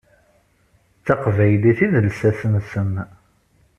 D taqbaylit i d lsas-nsen.